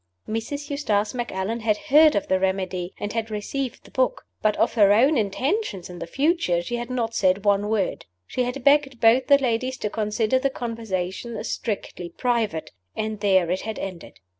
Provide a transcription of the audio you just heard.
Mrs. Eustace Macallan had heard of the remedy, and had received the book. But of her own intentions in the future she had not said one word. She had begged both the ladies to consider the conversation as strictly private and there it had ended.